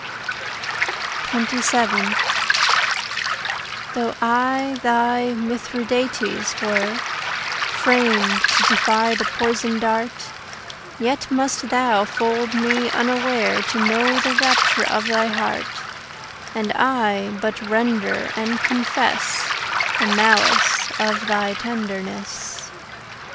XXVII Though I thy Mithridates were, Framed to defy the poison dart, Yet must thou fold me unaware To know the rapture of thy heart, And I but render and confess The malice of thy tenderness.